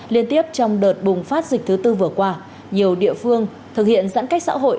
liên tiếp trong đợt bùng phát dịch thứ tư vừa qua nhiều địa phương thực hiện giãn cách xã hội